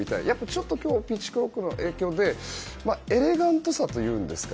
ちょっと今日はピッチクロックの影響でエレガントさというんですか